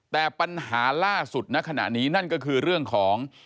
แต่ปัญหาล่าสุดณขณะนี้นั่นก็คือเรื่องของ